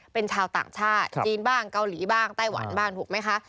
เป็นชาวต่างชาติจีนบ้างเกาหลีบ้างไต้หวันบ้างถูกไหมคะ